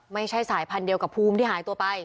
ไม่ใช่สายพันธุ์เดียวกับภูมิที่หายตัวไป